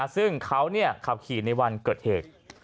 ซึ่งเขาขับขี่ในวันเกิดเหตุ